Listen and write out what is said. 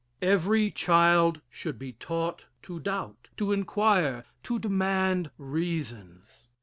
Every child should be taught to doubt, to inquire, to demand reasons.